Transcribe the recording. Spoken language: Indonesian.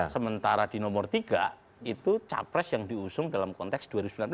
sementara di nomor tiga itu capres yang diusung dalam konteks dua ribu sembilan belas